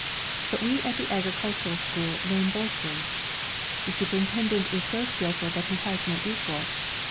But we at the agricultural school learn both words. The superintendent is so skillful that he has no equal.